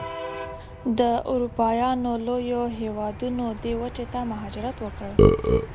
د اروپایانو لویو هېوادونو دې وچې ته مهاجرت وکړ.